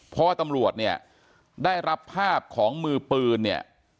เพราะว่าตำรวจเนี่ยได้รับภาพของมือปืนเนี่ย